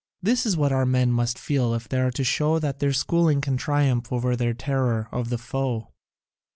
This is what our men must feel if they are to show that their schooling can triumph over their terror of the foe.